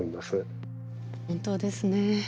本当ですね。